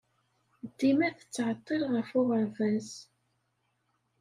Dima tettɛeḍḍil ɣef uɣerbaz.